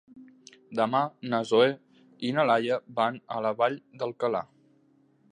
Demà na Zoè i na Laia van a la Vall d'Alcalà.